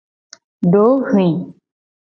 Dohwi.